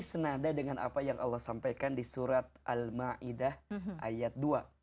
seperti apa yang allah sampaikan di surat al ma'idah ayat dua